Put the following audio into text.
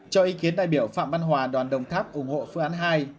cho ý kiến đại biểu phạm văn hòa đoàn đồng tháp ủng hộ phương án hai